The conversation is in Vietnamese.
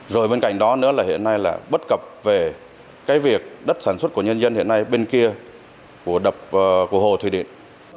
rồi bên cạnh đó nữa là hiện nay là bất cập về cái việc đất sản xuất của nhân dân hiện nay bên kia của đập của hồ thủy điện